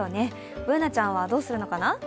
Ｂｏｏｎａちゃんはどうするのかな？